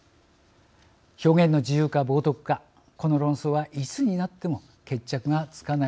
表現の自由か冒涜かこの論争はいつになっても決着がつかないかもしれません。